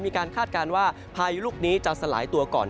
คาดการณ์ว่าพายุลูกนี้จะสลายตัวก่อน